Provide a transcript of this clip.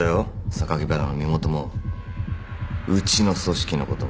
榊原の身元もうちの組織のことも。